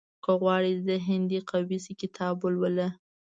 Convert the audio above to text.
• که غواړې ذهن دې قوي شي، کتاب ولوله.